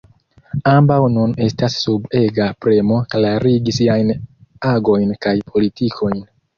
Ambaŭ nun estas sub ega premo klarigi siajn agojn kaj politikojn.